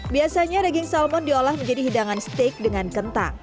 biasanya daging salmon diolah menjadi hidangan steak dengan kentang